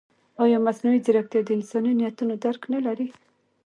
ایا مصنوعي ځیرکتیا د انساني نیتونو درک نه لري؟